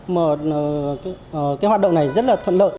mà cái hoạt động này rất là thuận lợi